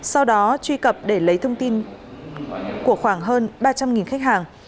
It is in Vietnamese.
sau đó truy cập để lấy thông tin của khoảng hơn ba trăm linh khách hàng